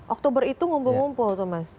oktober itu ngumpul ngumpul tuh mas